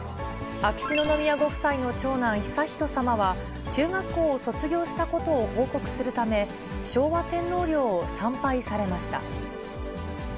秋篠宮ご夫妻の長男、悠仁さまは、中学校を卒業したことを報告するため、昭和天皇陵を参拝されました。